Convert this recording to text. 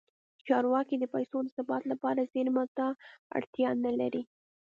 چارواکي د پیسو د ثبات لپاره زیرمو ته اړتیا نه لري.